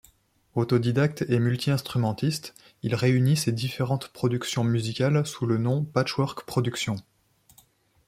Autodidacte et multi-instrumentiste, il réunit ses différentes productions musicales sous le nom Patchworks productions.